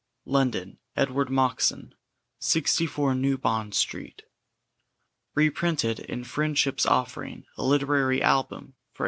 London: Edward Moxon, 64 New Bond Street. Reprinted in Friendship's Offering: a Literary Album for 1833.